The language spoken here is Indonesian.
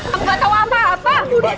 aku gak tahu apa apa